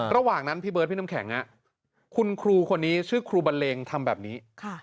ระหว่างนั้นพี่เบิร์ดพี่น้ำแข็งคุณครูคนนี้ชื่อครูบันเลงทำแบบนี้